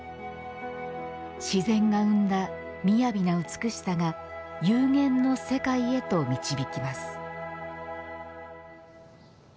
自然が生んだ雅な美しさが幽玄の世界へと導きます。